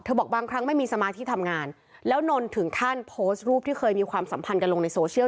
บอกบางครั้งไม่มีสมาธิทำงานแล้วนนถึงขั้นโพสต์รูปที่เคยมีความสัมพันธ์กันลงในโซเชียล